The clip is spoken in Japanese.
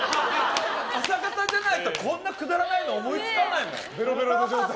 朝方じゃないとこんなくだらないの思いつかないよ。